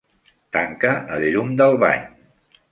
Tanca el llum del bany.